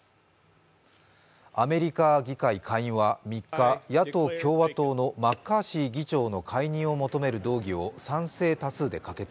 アメリカ議会下院は３日、野党・共和党のマッカーシー議長の解任を求める動議を賛成多数で可決。